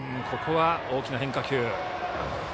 ここは大きな変化球。